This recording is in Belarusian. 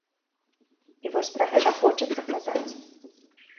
І вось пра гэта хочацца казаць.